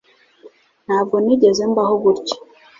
Ntabwo nigeze mbaho gutya